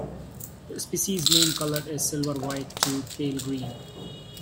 The species' main color is silver-white to pale green.